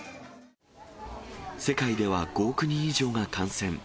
世界では５億人以上が感染。